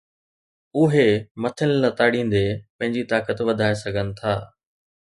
اُھي مٿن لتاڙيندي پنھنجي طاقت وڌائي سگھن ٿا